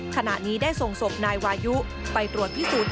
ขณะนี้ได้ส่งศพนายวายุไปตรวจพิสูจน์